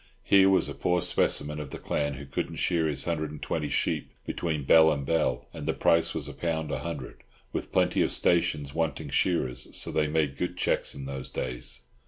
He was a poor specimen of the clan who couldn't shear his hundred and twenty sheep between bell and bell; and the price was a pound a hundred, with plenty of stations wanting shearers, so they made good cheques in those days.